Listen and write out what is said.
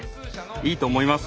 いいと思います。